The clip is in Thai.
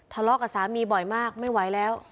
ทะเลาะกับสามีบ่อยมากไม่ไหวแล้ว